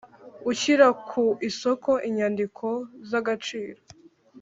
Ushyira ku isoko inyandiko z agaciro